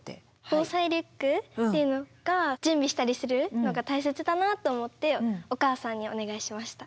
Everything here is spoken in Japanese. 防災リュックっていうのが準備したりするのが大切だなと思ってお母さんにお願いしました。